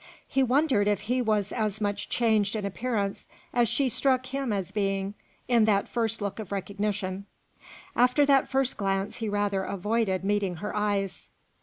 He wondered if he was as much changed in appearance as she struck him as being in that first look of recognition; after that first glance he rather avoided meeting her eyes.